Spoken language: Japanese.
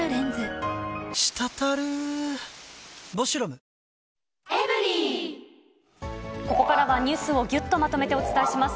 あふっここからはニュースをぎゅっとまとめてお伝えします。